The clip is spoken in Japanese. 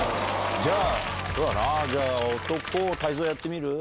そうだなじゃあ男を泰造やってみる？